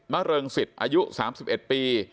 มะเริงสิตอายุสามสิบเอ็ดปี